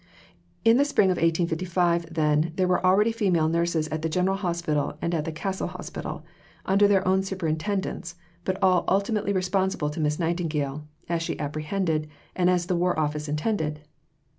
In the spring of 1855, then, there were already female nurses at the General Hospital and the Castle Hospital, under their own superintendents, but all ultimately responsible to Miss Nightingale as she apprehended, and as the War Office intended.